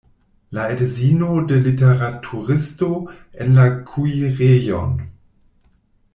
La edzino de literaturisto en la kuirejon!